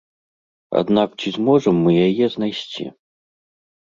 Аднак ці зможам мы яе знайсці?